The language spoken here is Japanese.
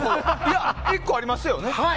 １個、ありますよね。